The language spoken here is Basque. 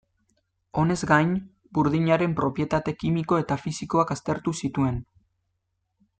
Honez gain, burdinaren propietate kimiko eta fisikoak aztertu zituen.